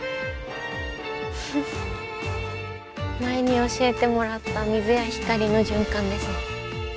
前に教えてもらった水や光の循環ですね。